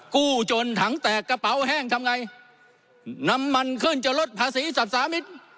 กู้จนถังแตกกระเป๋าแห้งทำไงน้ำมันขึ้นจะลดภาษีสรรพสามิตร